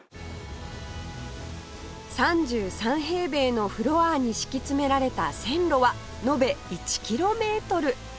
３３平米のフロアに敷き詰められた線路は延べ１キロメートル！